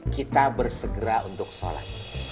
kita bersegera untuk sholat